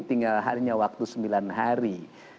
tinggal hanya waktu sembilan hari